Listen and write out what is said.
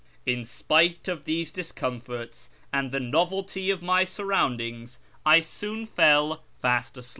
In spite of these discomforts and the novelty of my surroundings I soon fell fast asleep.